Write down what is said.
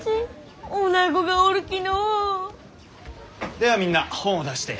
ではみんな本を出して。